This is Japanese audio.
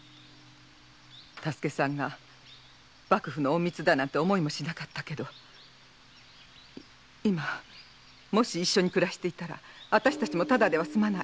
多助さんが幕府の隠密だなんて思いもしなかったけど今もし一緒に暮らしていたら私たちもただでは済まない。